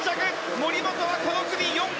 森本はこの組４位。